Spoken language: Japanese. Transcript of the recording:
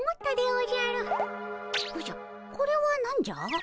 おじゃこれは何じゃ？